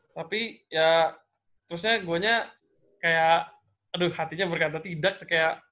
tapi ya terusnya gue nya kayak aduh hatinya berkata tidak tuh kayak